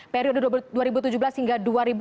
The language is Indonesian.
periode dua ribu tujuh belas hingga dua ribu dua puluh